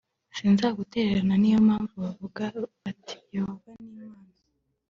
sinzagutererana ni yo mpamvu bavuga bati Yehova ni imana